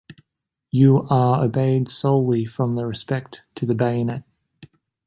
You are obeyed solely from respect to the bayonet.